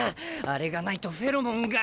あれがないとフェロモンが。